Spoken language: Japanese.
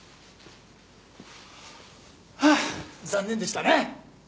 はあ残念でしたね！